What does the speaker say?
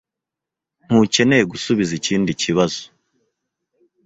Ntukeneye gusubiza ikindi kibazo.